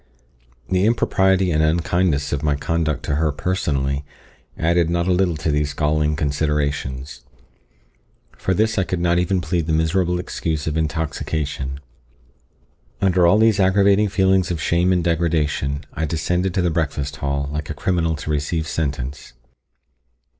The impropriety and unkindness of my conduct to her personally, added not a little to these galling considerations, and for this I could not even plead the miserable excuse of intoxication. Under all these aggravating feelings of shame and degradation, I descended to the breakfast hall, like a criminal to receive sentence.